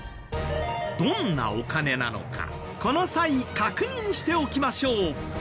どんなお金なのかこの際確認しておきましょう。